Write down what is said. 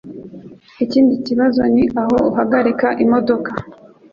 Ikindi kibazo ni aho uhagarika imodoka